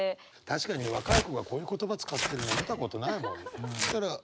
確かに若い子がこういう言葉使ってるの見たことないもん。